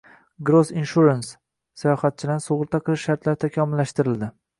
Gross Insurance: Sayohatchilarni sug‘urta qilish shartlari takomillashtirildi